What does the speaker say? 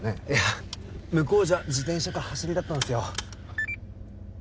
えいや向こうじゃ自転車か走りだったんすよ